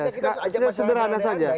kita harus ajak masyarakat berandai andai